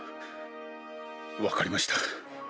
分かりました。